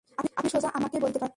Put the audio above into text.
আপনি সোজা আমাকেই বলতে পারতেন।